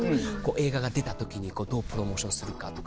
映画が出た時にどうプロモーションするかとか。